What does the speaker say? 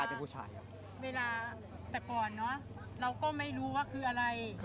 โดยเฉพาะนางรำนี้